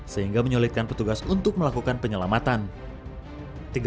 sehingga menyulitkan petugas untuk melakukan penyelamatan